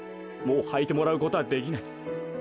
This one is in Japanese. もうはいてもらうことはできない。